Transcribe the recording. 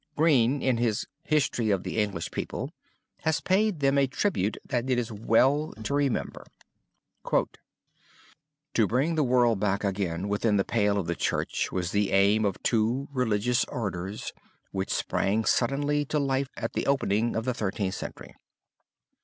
Green in his "History of the English People" has paid them a tribute that it is well to remember: "To bring the world back again within the pale of the Church was the aim of two religious orders which sprang suddenly to life at the opening of the Thirteenth Century.